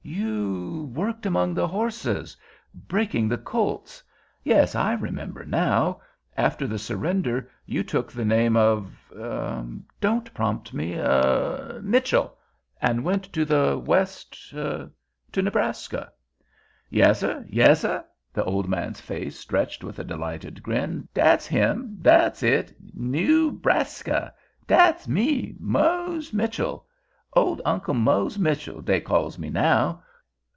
"You worked among the horses—breaking the colts. Yes, I remember now. After the surrender, you took the name of—don't prompt me—Mitchell, and went to the West—to Nebraska." "Yassir, yassir,"—the old man's face stretched with a delighted grin—"dat's him, dat's it. Newbraska. Dat's me—Mose Mitchell. Old Uncle Mose Mitchell, dey calls me now.